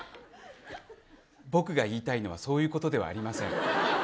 僕が言いたいのはそういうことではありません。